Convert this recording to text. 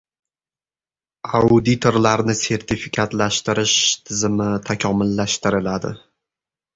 Auditorlarni sertifikatlashtirish tizimi takomillashtiriladi